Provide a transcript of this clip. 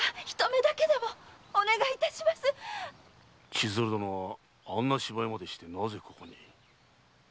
千鶴殿はあんな芝居までしてなぜここに。